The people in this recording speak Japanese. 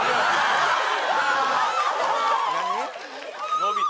伸びた。